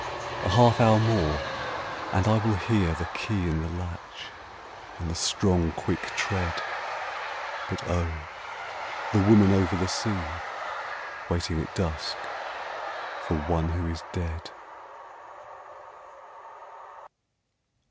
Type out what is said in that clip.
A half hour more and I will hear The key in the latch and the strong, quick tread But oh, the woman over the sea Waiting at dusk for one who is dead!